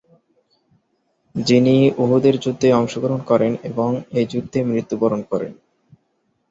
যিনি উহুদের যুদ্ধে অংশগ্রহণ করেন এবং এই যুদ্ধে মৃত্যুবরণ করেন।